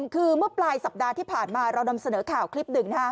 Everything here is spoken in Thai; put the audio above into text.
คือเมื่อปลายสัปดาห์ที่ผ่านมาเรานำเสนอข่าวคลิปหนึ่ง